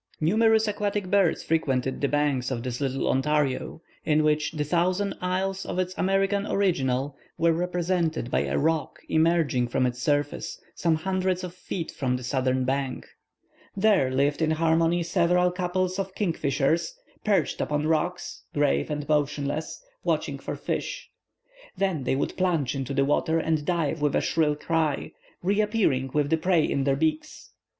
Numerous aquatic birds frequented the banks of this little Ontario, in which the "Thousand Isles" of its American original were represented by a rock emerging from its surface some hundreds of feet from the southern bank. There lived in harmony several couples of kingfishers, perched upon rocks, grave and motionless, watching for fish; then they would plunge into the water and dive with a shrill cry, reappearing with the prey in their beaks.